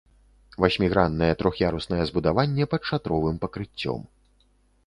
Васьміграннае трох'яруснае збудаванне пад шатровым пакрыццём.